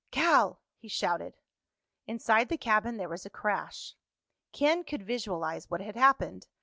"Cal!" he shouted. Inside the cabin there was a crash. Ken could visualize what had happened.